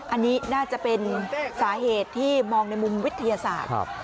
อันนี้น่าจะเป็นสาเหตุที่มองในมุมวิทยาศาสตร์